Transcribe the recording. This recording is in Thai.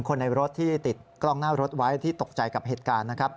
คนในรถที่ติดกล้องหน้ารถไว้ที่ตกใจกับเหตุการณ์นะครับ